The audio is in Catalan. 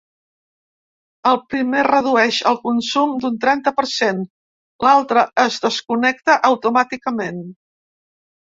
El primer redueix el consum d’un trenta per cent; l’altre es desconnecta automàticament.